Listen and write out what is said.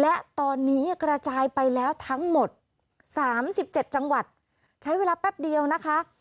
และตอนนี้กระจายไปแล้วทั้งหมด๓๗จังหวัดใช้เวลาแป๊บเดียวนะคะ